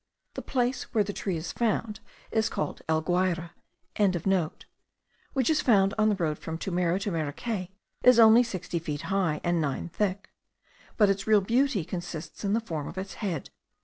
The place where the tree is found is called El Guayre.) which is found on the road from Turmero to Maracay, is only sixty feet high, and nine thick; but its real beauty consists in the form of its head.